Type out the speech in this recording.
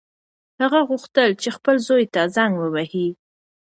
هغه غوښتل چې خپل زوی ته زنګ ووهي.